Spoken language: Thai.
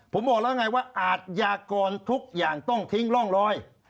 ผมบอกแล้วไงว่าอาทยากรทุกอย่างต้องทิ้งร่องรอย